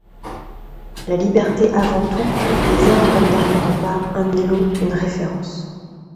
La liberté avant tout, les arts comme dernier rempart, un ilot, une référence.